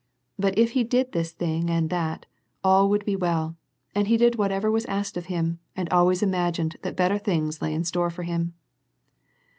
But if he did this thing and that, all would be well, and he did whatever was asked of him, and always imagined that better things lay in store for him.